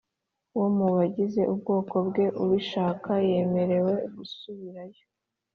Wo mu bagize ubwoko bwe ubishaka yemerewe gusubirayo